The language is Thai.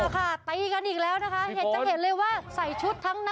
ถ่ายคลิปก่อน